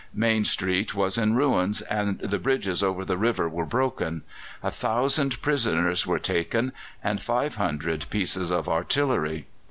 Main Street was in ruins, and the bridges over the river were broken. A thousand prisoners were taken and 500 pieces of artillery.